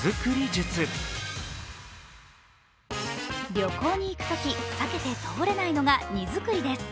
旅行に行くとき避けて通れないのが荷作りです。